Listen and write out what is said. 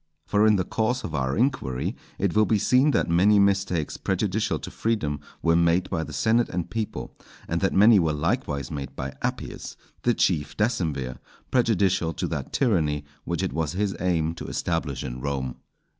For in the course of our inquiry it will be seen that many mistakes prejudicial to freedom were made by the senate and people, and that many were likewise made by Appius, the chief decemvir, prejudicial to that tyranny which it was his aim to establish in Rome.